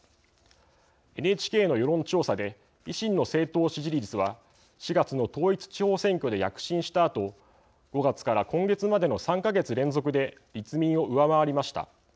ＮＨＫの世論調査で維新の政党支持率は４月の統一地方選挙で躍進したあと５月から今月までの３か月連続で立民を上回りました。